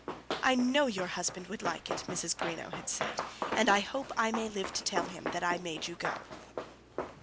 "I know your husband would like it," Mrs. Greenow had said, "and I hope I may live to tell him that I made you go."